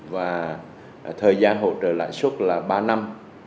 và thời gian hỗ trợ lãi suất là ba năm